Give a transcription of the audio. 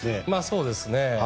そうですね。